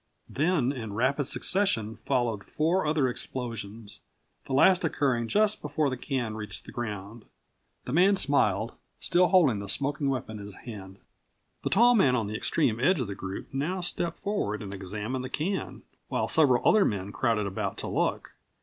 Then in rapid succession followed four other explosions, the last occurring just before the can reached the ground. The man smiled, still holding the smoking weapon in his hand. The tall man on the extreme edge of the group now stepped forward and examined the can, while several other men crowded about to look.